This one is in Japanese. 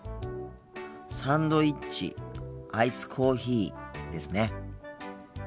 「サンドイッチ」「アイスコーヒー」ですね。